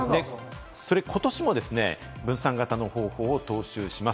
ことしも分散型の方法を踏襲します。